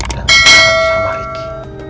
dan selamat sama iki